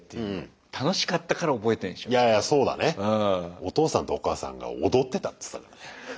お父さんとお母さんが踊ってたっつったからね。